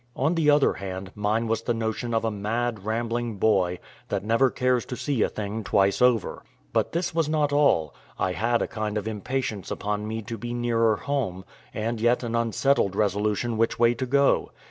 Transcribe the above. On the other hand, mine was the notion of a mad, rambling boy, that never cares to see a thing twice over. But this was not all: I had a kind of impatience upon me to be nearer home, and yet an unsettled resolution which way to go.